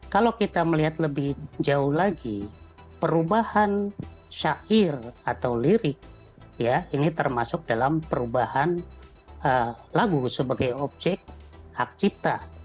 kalau kita melihat lebih jauh lagi perubahan syair atau lirik ini termasuk dalam perubahan lagu sebagai objek hak cipta